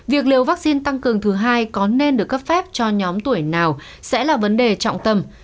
việc liều vaccine tăng cường thứ hai có nên được cấp phép cho nhóm tuổi nào sẽ là vấn đề trọng tâm